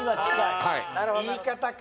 言い方か。